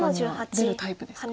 出るタイプですか？